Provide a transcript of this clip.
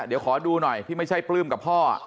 เดี๋ยวขอดูหน่อยที่ไม่ใช่ปลื้มกับพ่อ